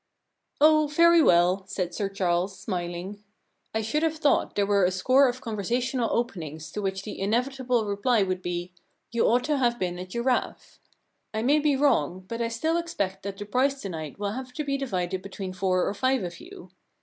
* Oh, very well,' said Sir Charles smiling. * I should have thought there were a score of conversational openings to which the in evitable reply would be, " You ought to have been a giraffe." I may be wrong, but I still expect that the prize to night will have to 9 The Problem Club be divided between four or five of you.